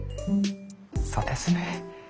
そうですね。